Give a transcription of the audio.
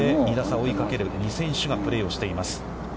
追いかける２選手がプレーをしています。